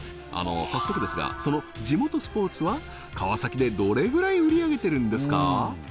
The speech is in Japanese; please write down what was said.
あの早速ですがその地元スポーツは川崎でどれぐらい売り上げてるんですか？